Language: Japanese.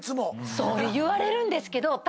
そう言われるんですけど。